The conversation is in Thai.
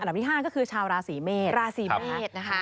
อันดับที่๕ก็คือชาวราศรีเมฆราศรีเมฆนะคะ